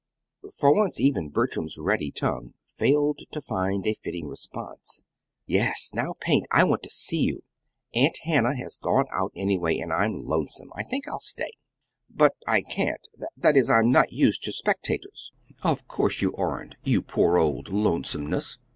For once even Bertram's ready tongue failed to find fitting response. "Yes. Now paint. I want to see you. Aunt Hannah has gone out anyway, and I'm lonesome. I think I'll stay." "But I can't that is, I'm not used to spectators." "Of course you aren't, you poor old lonesomeness!